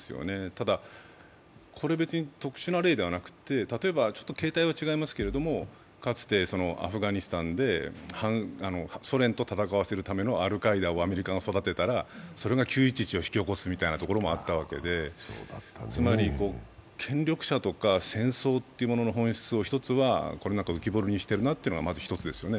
ただ、これ別に特殊な例ではなくて形態は違いますけどかつて、アフガニスタンでソ連と戦わせるためのアルカイダをアメリカが育てたら、それが９・１１を引き起こすというところがあったわけで、つまり、権力者とか戦争というものの本質を浮き彫りにしてるなというのが一つですね。